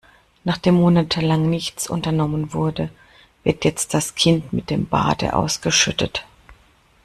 Nachdem monatelang nichts unternommen wurde, wird jetzt das Kind mit dem Bade ausgeschüttet.